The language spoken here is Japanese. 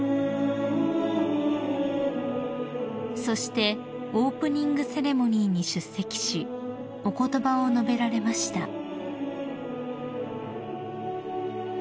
［そしてオープニングセレモニーに出席しお言葉を述べられました］